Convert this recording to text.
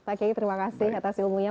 pak kiai terima kasih atas ilmunya